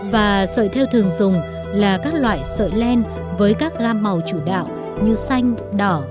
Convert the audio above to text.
và sợi theo thường dùng là các loại sợi len với các gam màu chủ đạo như xanh đỏ trắng vàng cam